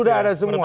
sudah ada semua